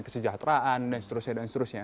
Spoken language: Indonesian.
kesejahteraan dan seterusnya dan seterusnya